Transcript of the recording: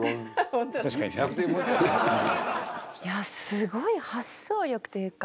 すごい発想力というか。